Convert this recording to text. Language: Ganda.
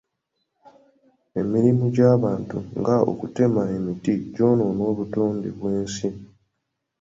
Emirimu gy'abantu nga okutema emiti gyonoona obutonde bw'ensi.